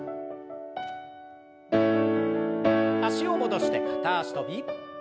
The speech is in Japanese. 脚を戻して片脚跳び。